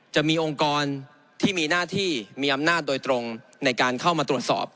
จะมีองค์กรที่มีหน้าที่มีอำนาจโดยตรงในการเข้ามาตรวจสอบ